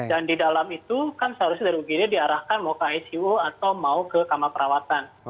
dan di dalam itu kan seharusnya dari ugd diarahkan mau ke icu atau mau ke kamar perawatan